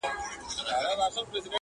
لا« څشي غواړی» له واکمنانو -